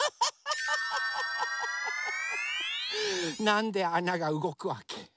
なんであながうごくわけ？